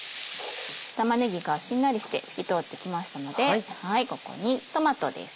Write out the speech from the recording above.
玉ねぎがしんなりして透き通ってきましたのでここにトマトです。